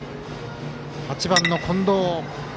８番の近藤。